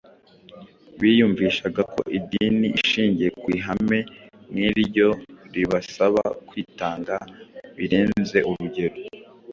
Biyumvishaga ko idini ishingiye ku ihame nk’iryo ribasaba kwitanga birenze urugero